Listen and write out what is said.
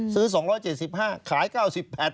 ซื้อ๒๗๕ขาย๙๘บาท